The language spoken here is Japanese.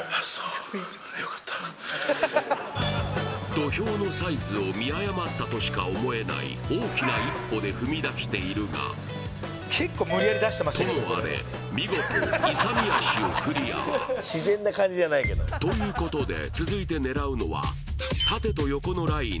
土俵のサイズを見誤ったとしか思えない大きな一歩で踏み出しているがともあれ見事勇み足をクリアということで続いて狙うのは縦と横のライン